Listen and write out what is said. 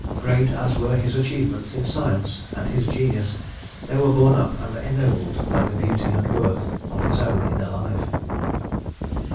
Great as were his achievements in science, and his genius, they were borne up and ennobled by the beauty and worth of his own inner life.